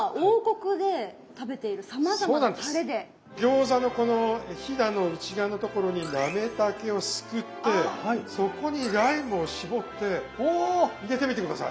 餃子のこのひだの内側のところになめたけをすくってそこにライムを搾って入れてみて下さい。